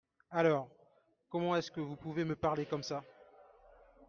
Alors ! Comment est-ce que vous pouvez me parlez comme ça ?